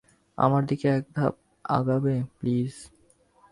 আমার দিকে একধাপ আগাবে, প্লিজ।